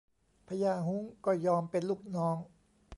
พญาฮุ้งก็ยอมเป็นลูกน้อง